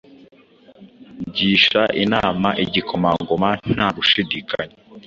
Gisha inama igikomangoma nta gushidikanya